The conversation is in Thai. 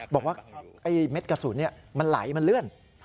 บอกว่าไอ้เม็ดกระสุนมันไหลมันเลื่อน